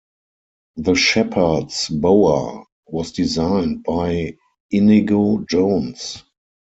The shepherd's bower was designed by Inigo Jones.